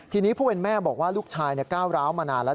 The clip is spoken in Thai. ทีนี้ผู้เป็นแม่บอกว่าลูกชายก้าวร้าวมานานแล้ว